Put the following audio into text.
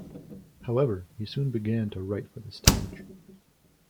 However, he soon began to write for the stage.